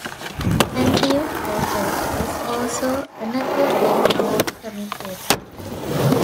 Andrew Cotter is also another well known commentator.